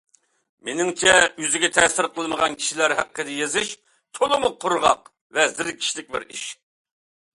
مېنىڭچە، ئۆزىگە تەسىر قىلمىغان كىشىلەر ھەققىدە يېزىش تولىمۇ قۇرغاق ۋە زېرىكىشلىك بىر ئىش.